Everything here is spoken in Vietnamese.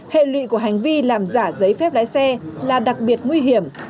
hệ lụy của hành vi làm giả giấy phép lái xe là đặc biệt nguy hiểm